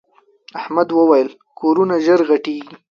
احمد وويل: کورونه ژر غټېږي.